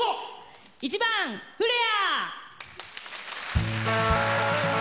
１番「フレア」。